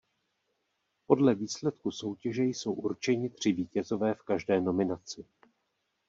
Podle výsledku soutěže jsou určeni tři vítězové v každé nominaci.